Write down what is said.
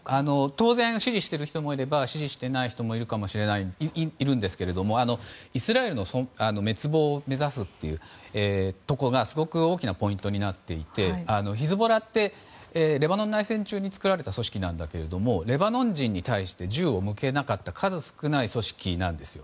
当然支持している人もいれば支持していない人もいるんですがイスラエルの滅亡を目指すというところがすごく大きなポイントになっていてヒズボラってレバノン内戦中に作られた組織だけれどもレバノン人に対して銃を向けなかった数少ない組織なんです。